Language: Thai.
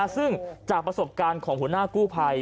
ซึ่งจากประสบการณ์ของหัวหน้ากู้ภัย